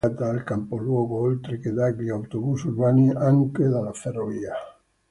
Vignale è collegata al capoluogo, oltre che dagli autobus urbani, anche dalla ferrovia.